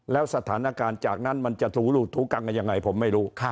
แล้วสถานการณ์จากนั้นมันจะถูกังกันยังไงผมไม่รู้